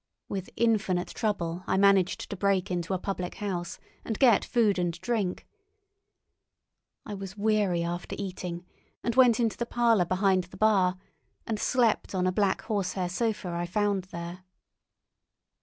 With infinite trouble I managed to break into a public house and get food and drink. I was weary after eating, and went into the parlour behind the bar, and slept on a black horsehair sofa I found there.